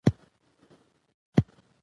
ولایتونه د افغانستان د امنیت په اړه اغېز لري.